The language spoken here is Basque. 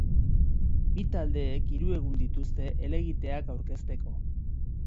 Bi taldeek hiru egun dituzte helegiteak aurkezteko.